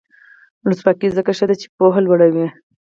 ولسواکي ځکه ښه ده چې پوهه لوړوي.